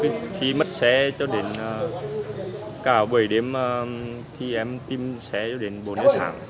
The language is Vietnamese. từ lúc khi mất xe cho đến cả buổi đêm khi em tìm xe cho đến bốn giờ sáng